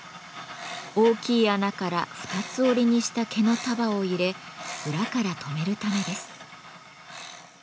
大きい穴から二つ折りにした毛の束を入れ裏から留めるためです。